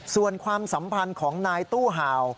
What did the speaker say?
ส่วนความสัมพันธ์ของนายตู้ห่าว